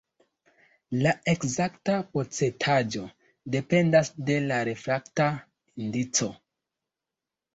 La ekzakta procentaĵo dependas de la refrakta indico.